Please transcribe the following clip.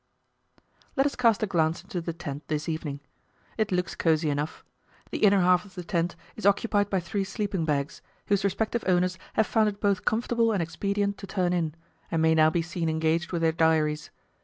Let us cast a glance into the tent this evening. It looks cosy enough. The inner half of the tent is occupied by three sleeping bags, whose respective owners have found it both comfortable and expedient to turn in, and may now be seen engaged with their diaries.